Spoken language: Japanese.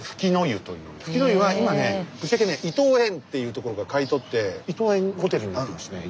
富貴の湯は今ねぶっちゃけね伊東園っていうところが買い取って伊東園ホテルになってますね